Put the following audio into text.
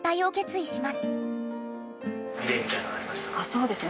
そうですね。